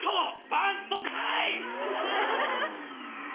バントかい！